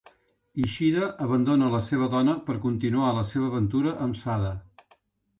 Ishida abandona la seva dona per continuar la seva aventura amb Sada.